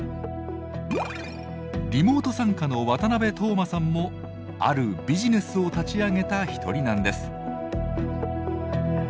リモート参加の渡部透馬さんもあるビジネスを立ち上げた一人なんです。